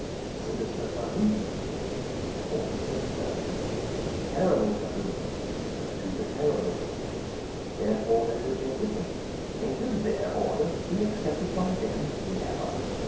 Sinister for whom? for the sinister. Terrible to whom? to the terrible. Therefore they rejected him. Enter their order? be accepted by them? Never.